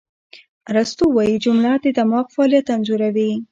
ارسطو وایي، جمله د دماغ فعالیت انځوروي.